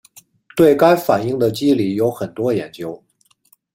对该反应的机理有很多研究。